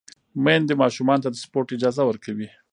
میندې ماشومانو ته د سپورت اجازه ورکوي۔